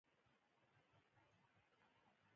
پامیر د افغانستان په طبیعت کې خورا مهم رول لوبوي.